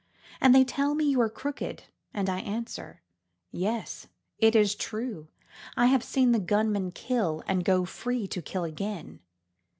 And they tell me you are crooked and I answer: Yes, it is true I have seen the gunman kill and go free to kill again.